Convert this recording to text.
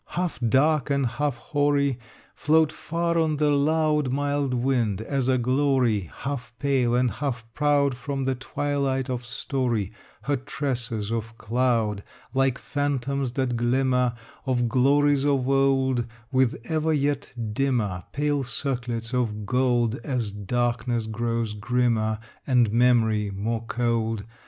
Half dark and half hoary, Float far on the loud Mild wind, as a glory Half pale and half proud From the twilight of story, Her tresses of cloud; Like phantoms that glimmer Of glories of old With ever yet dimmer Pale circlets of gold As darkness grows grimmer And memory more cold.